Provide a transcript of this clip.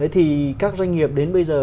thì các doanh nghiệp đến bây giờ